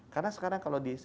karena sekarang kalau di